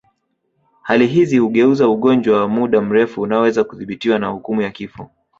Hali hizi hugeuza ugonjwa wa muda mrefu unaoweza kudhibitiwa kwa hukumu ya kifo